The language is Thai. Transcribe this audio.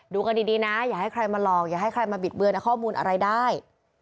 กันดีนะอย่าให้ใครมาหลอกอย่าให้ใครมาบิดเบือนข้อมูลอะไรได้